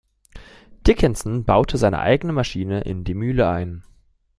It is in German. Dickinson baute seine eigene Maschine in die Mühle ein.